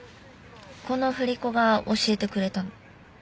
この振り子が教えてくれたの？